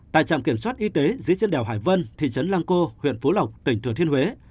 tại trạm kiểm soát y tế dưới trên đèo hải vân thị trấn lang co huyện phú lộc tỉnh thừa thiên huế